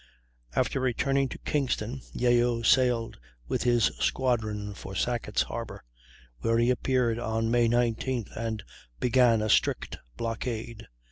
After returning to Kingston, Yeo sailed with his squadron for Sackett's Harbor, where he appeared on May 19th and began a strict blockade.